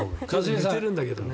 寝てるんだけどね。